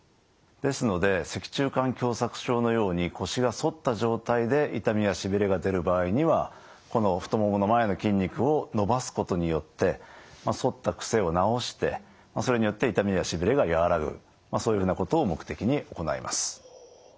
ですので脊柱管狭窄症のように腰が反った状態で痛みやしびれが出る場合にはこの太ももの前の筋肉を伸ばすことによって反ったクセを治してそれによって痛みやしびれが和らぐそういうふうなことを目的に行います。